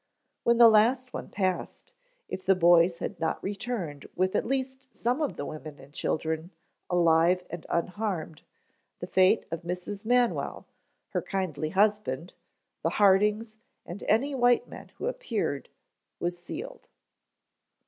When the last one passed, if the boys had not returned with at least some of the women and children, alive and unharmed, the fate of Mrs. Manwell, her kindly husband, the Hardings, and any white men who appeared, was sealed.